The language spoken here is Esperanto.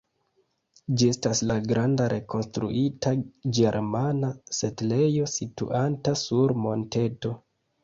Ĝi estas la granda rekonstruita ĝermana setlejo situanta sur monteto.